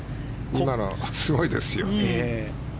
今の、すごいですよ。